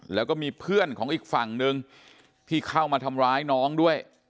แล้วก็มีเพื่อนของอีกฝั่งนึงที่เข้ามาทำร้ายน้องด้วย